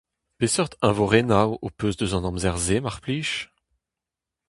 Peseurt eñvorennoù ho peus eus an amzer-se, mar plij ?